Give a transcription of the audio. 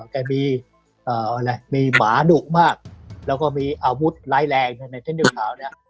แกมีหมาหนุกมากแล้วก็มีอาวุธร้ายแรงในเทคเนียมข่าวนี้